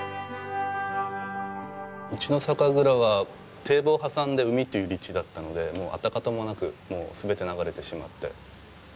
うちの酒蔵は堤防挟んで海という立地だったのでもう跡形もなく全て流れてしまって。